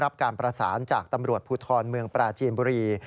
รับการปราสานจากตำรวจพลูกอออ๒๕๐๐ปจีนบุรี